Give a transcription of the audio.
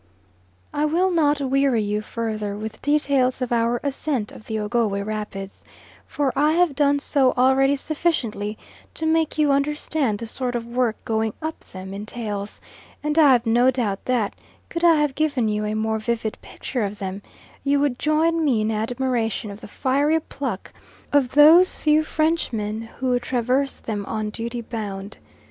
I will not weary you further with details of our ascent of the Ogowe rapids, for I have done so already sufficiently to make you understand the sort of work going up them entails, and I have no doubt that, could I have given you a more vivid picture of them, you would join me in admiration of the fiery pluck of those few Frenchmen who traverse them on duty bound.